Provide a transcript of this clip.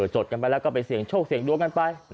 จดกันไปแล้วก็ไปเสี่ยงโชคเสี่ยงดวงกันไป